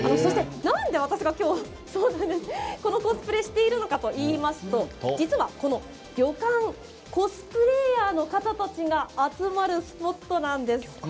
なぜ私がコスプレをしているのかといいますと、実はこの旅館コスプレーヤーの方たちが集まるスポットなんです。